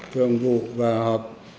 thường vụ và họp